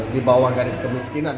di bawah garis kemiskinan